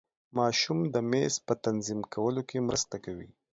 ماشوم د میز په تنظیم کولو کې مرسته کوي.